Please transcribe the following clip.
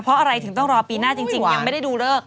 เพราะอะไรถึงต้องรอปีหน้าจริงยังไม่ได้ดูเลิก